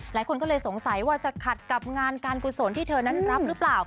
หลายคนก็เลยสงสัยว่าจะขัดกับงานการกุศลที่เธอนั้นรับหรือเปล่า